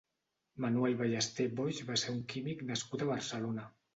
Manuel Ballester Boix va ser un químic nascut a Barcelona.